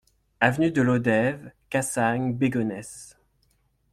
Avenue de Lodève, Cassagnes-Bégonhès